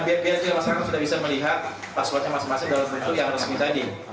biar plt masyarakat sudah bisa melihat passwordnya masing masing dalam bentuk yang resmi tadi